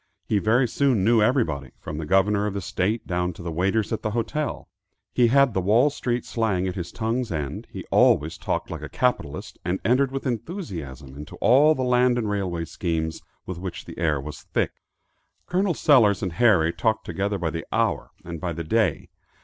He very soon knew everybody, from the governor of the state down to the waiters at the hotel. He had the Wall street slang at his tongue's end; he always talked like a capitalist, and entered with enthusiasm into all the land and railway schemes with which the air was thick. Col. Sellers and Harry talked together by the hour and by the day.